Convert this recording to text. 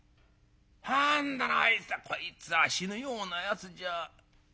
変だなあいつはこいつは死ぬようなやつじゃ。